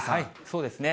そうですね。